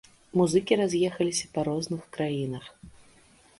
Музыкі раз'ехаліся па розных краінах.